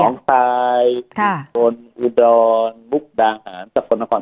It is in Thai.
น้องไท่สวนอิดรอนมุฯดาหารสวนกลอนแห่งฮาเกิน